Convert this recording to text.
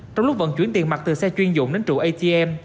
trong lúc vận chuyển tiền mặt từ xe chuyên dụng đến trụ atm